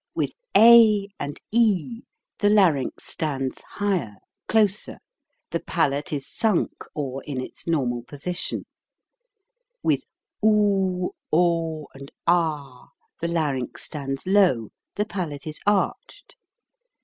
With a and e the larynx stands higher, CONNECTION OF VOWELS 211 closer, the palate is sunk, or in its normal position. With oo, o, and ah the larynx stands low, the palate is arched.